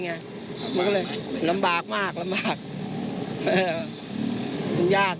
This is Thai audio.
มันก็เลยลำบากมาก